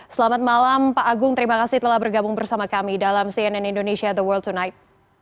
selamat malam pak agung terima kasih telah bergabung bersama kami dalam cnn indonesia the world tonight